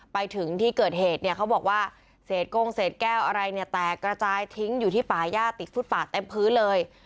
ไปถึงที่เกิดเหตุเนี่ยเขาบอกว่าเศษโก้งเศษแก้วอะไรเนี่ยแตกระจายทิ้งอยู่ที่ป่าย่าติดฟุตปาดเต็มพื้นเลย